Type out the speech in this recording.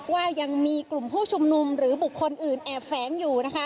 ว่ายังมีกลุ่มผู้ชุมนุมหรือบุคคลอื่นแอบแฝงอยู่นะคะ